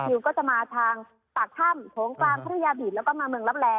หน่วยคิวก็จะมาทางตากถ้ำโทงกลางพัทยาบินแล้วก็มาเมืองรับแรก